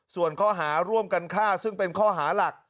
ส่วนข้อหาร่วมกันฆ่าซึ่งเป็นข้อหาหลัก